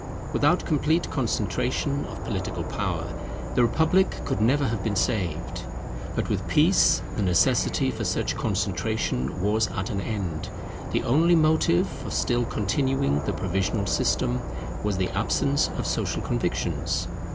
Without complete concentration of political power, the republic could never have been saved. But with peace the necessity for such concentration was at an end. The only motive for still continuing the provisional system was the absence of social convictions.